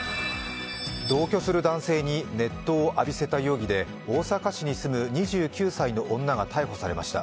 同居する男性に熱湯を浴びせた容疑で大阪市に住む２９歳の女が逮捕されました。